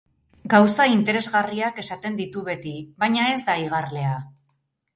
Gauza interesgarriak esaten ditu beti, baina ez da igarlea.